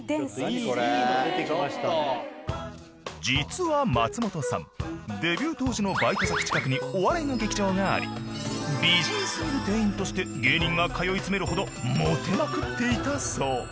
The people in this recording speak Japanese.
［実は松本さんデビュー当時のバイト先近くにお笑いの劇場があり美人過ぎる店員として芸人が通い詰めるほどモテまくっていたそう］